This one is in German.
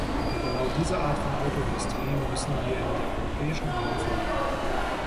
Und genau diese Art von Autoindustrie müssen wir in der Europäischen Union fördern.